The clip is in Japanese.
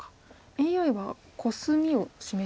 ＡＩはコスミを示してますね。